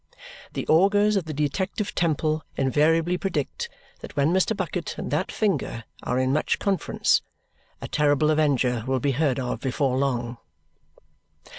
The Augurs of the Detective Temple invariably predict that when Mr. Bucket and that finger are in much conference, a terrible avenger will be heard of before long.